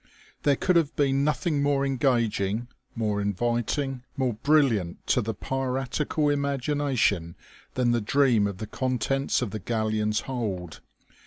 There could have been nothing more engaging, more inviting, more brilliant to the piratical imagination than the dream of the con tents of the galleon's hold.